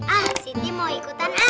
ah siti mau ikutan ah